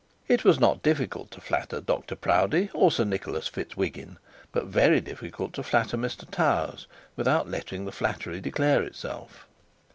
It was not difficult to flatter Dr Proudie, or Sir Nicholas Fitzwhiggin, but very difficult to flatter Mr Towers without letting the flattery declare itself.